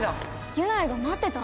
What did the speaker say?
ギュナイが待ってた？